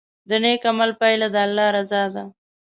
د نیک عمل پایله د الله رضا ده.